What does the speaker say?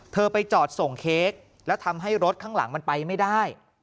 ไปจอดส่งเค้กแล้วทำให้รถข้างหลังมันไปไม่ได้